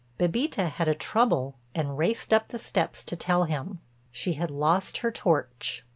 Bébita had a trouble and raced up the steps to tell him—she had lost her torch.